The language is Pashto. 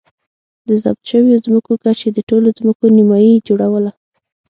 د ضبط شویو ځمکو کچې د ټولو ځمکو نییمه جوړوله